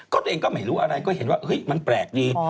ตัวเองก็ไม่รู้อะไรก็เห็นว่าเฮ้ยมันแปลกดี